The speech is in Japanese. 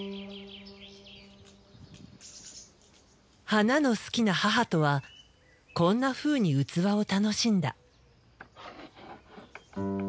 花の好きな母とはこんなふうに器を楽しんだ。